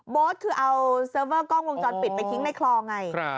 โบ๊ทคือเอาเซอร์เฟอร์กล้องวงจรปิดไปทิ้งในคลอง่าย